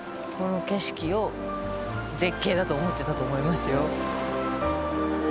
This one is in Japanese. この景色を絶景だと思ってたと思いますよ。